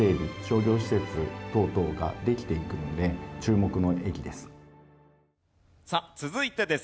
商業施設等々ができていくので注目の駅です。